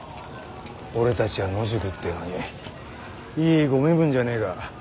俺たちは野宿ってのにいいご身分じゃねえか。